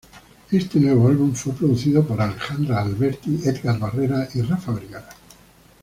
Este nuevo álbum fue producido por Alejandra Alberti, Edgar Barrera y Rafa Vergara.